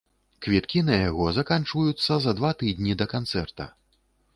Квіткі на яго заканчваюцца за два тыдні да канцэрта.